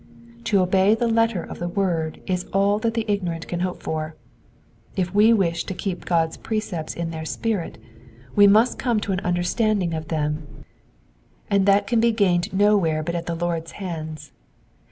To obey the letter of the word is all that the ignorant can hope for ; if we wish to keep God's pre cepts in their spirit we must come to an understanding of them, and that can be gained nowhere but at the Lord's hands.